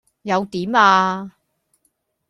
又點呀?